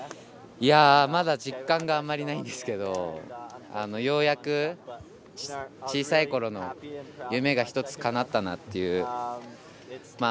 まだ実感があまりないですけどようやく小さいころの夢が１つかなったなっていう。